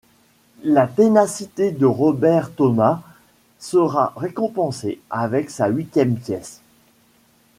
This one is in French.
La ténacité de Robert Thomas sera récompensée avec sa huitième pièce.